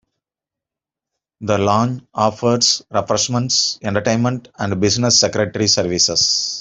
The lounge offers refreshments, entertainment and business secretary services.